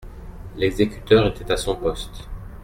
L'exécuteur était à son poste.